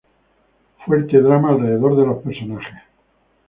Fuerte drama alrededor de los personajes.